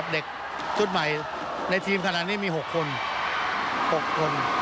เด็กชุดใหม่ในทีมขนาดนี้มี๖คน๖คน